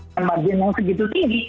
kemargin yang segitu tinggi